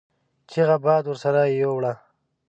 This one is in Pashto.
چيغه باد ورسره يو وړه.